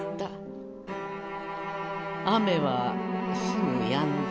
雨はすぐ止んだ」。